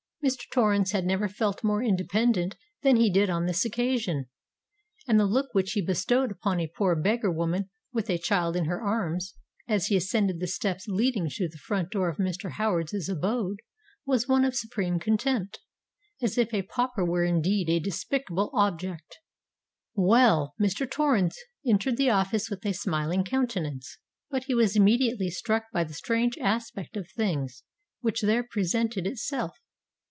Mr. Torrens had never felt more independent than he did on this occasion; and the look which he bestowed upon a poor beggar woman with a child in her arms, as he ascended the steps leading to the front door of Mr. Howard's abode, was one of supreme contempt—as if a pauper were indeed a despicable object! Well—Mr. Torrens entered the office with a smiling countenance:—but he was immediately struck by the strange aspect of things which there presented itself.